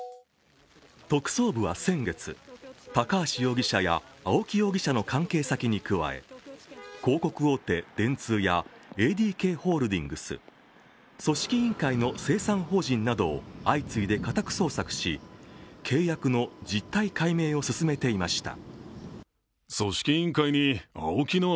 特捜部は先月、高橋容疑者や青木容疑者の関係先に加え広告大手、電通やＡＤＫホールディングス組織委員会の精算法人などを相次いで家宅捜索し契約の実態解明を進めていました。